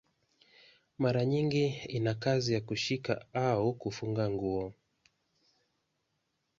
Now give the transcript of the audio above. Mara nyingi ina kazi ya kushika au kufunga nguo.